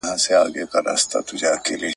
له دې شاړو وچو مځکو بیا غاټول را زرغونیږي `